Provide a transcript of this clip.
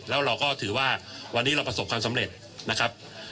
แล้วเราก็ถือว่าวันนี้เราประสบความสำเร็จนะครับ